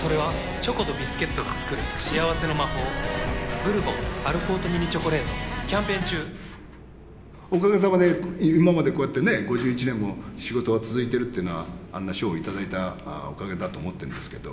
それはチョコとビスケットが作る幸せの魔法キャンペーン中おかげさまで今までこうやってね５１年も仕事が続いているっていうのはあんな賞を頂いたおかげだと思っているんですけど。